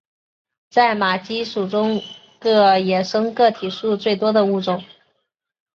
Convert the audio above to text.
在马鸡属中个野生个体数最多的物种。